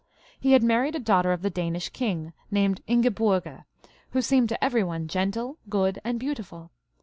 He had married a daughter of the Danish king, named Ingeburga, who seemed to every one gentle, good, and beautiful.